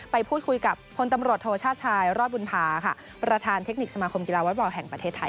ไปพูดคุยกับพลตำรวจโทชาติชายรอดบุญภาค่ะประธานเทคนิคสมาคมกีฬาวอตบอลแห่งประเทศไทย